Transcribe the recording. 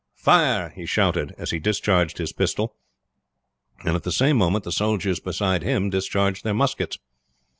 "Fire!" he shouted as he discharged his pistol, and at the same moment the soldiers beside him discharged their muskets.